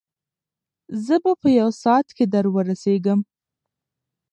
زه به په یو ساعت کې در ورسېږم.